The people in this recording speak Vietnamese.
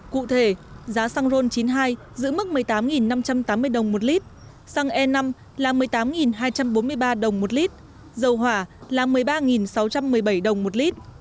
cụ thể giá xăng ron chín mươi hai giữ mức một mươi tám năm trăm tám mươi đồng một lít xăng e năm là một mươi tám hai trăm bốn mươi ba đồng một lít dầu hỏa là một mươi ba sáu trăm một mươi bảy đồng một lít